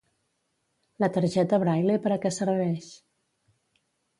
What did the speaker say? La targeta Braile per a què serveix?